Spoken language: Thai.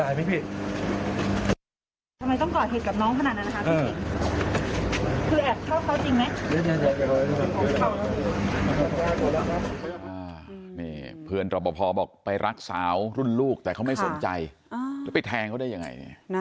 ยังไงพี่เดี๋ยวพูดได้นะพี่อยากจะขอบคุณข้าวคนตายมั้ยพี่